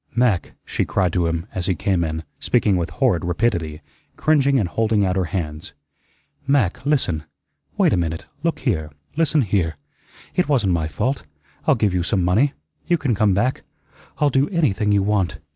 "Mac," she cried to him, as he came in, speaking with horrid rapidity, cringing and holding out her hands, "Mac, listen. Wait a minute look here listen here. It wasn't my fault. I'll give you some money. You can come back. I'll do ANYTHING you want.